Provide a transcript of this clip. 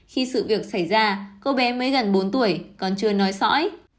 khi sự việc xảy ra cô bé mới gần bốn tuổi còn chưa nói sõi